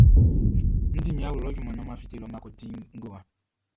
N di min awlo lɔ junmanʼn ka naan mʼan fite lɔ mʼan ko di ngowa.